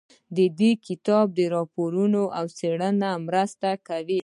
د دې کتاب راپورونه او څېړنې مرسته کوي.